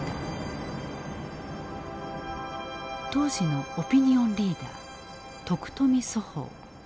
当時のオピニオンリーダー徳富蘇峰。